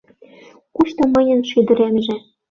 Кушто мыйын шӱдыремже?